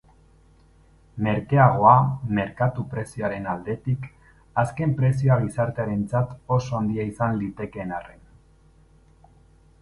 Merkeagoa, merkatu-prezioaren aldetik, azken prezioa gizatearentzat oso handia izan litekeen arren.